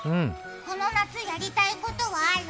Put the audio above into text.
この夏、やりたいことはある？